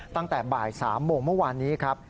ตั้งแต่บ่าย๓โมงเมื่อวานนี้ครับ